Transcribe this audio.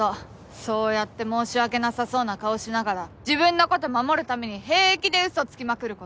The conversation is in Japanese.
そうやって申し訳なさそうな顔しながら自分の事守るために平気で嘘つきまくる事。